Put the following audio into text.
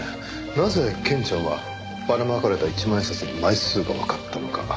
なぜケンちゃんはばらまかれた一万円札の枚数がわかったのか。